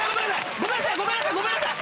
ごめんなさい、ごめんなさい、ごめんなさい。